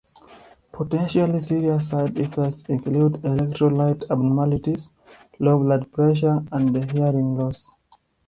Potentially serious side effects include electrolyte abnormalities, low blood pressure, and hearing loss.